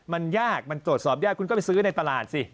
มันยากมันตรวจสอบยากคุณก็ไปซื้อในตลาดสิ